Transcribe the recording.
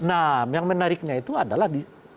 nah yang menariknya itu adalah